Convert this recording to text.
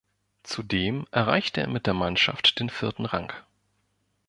Zudem erreichte er mit der Mannschaft den vierten Rang.